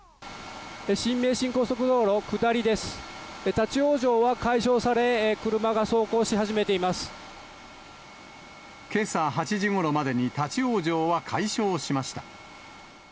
立往生は解消され、けさ８時ごろまでに立往生は解消しました。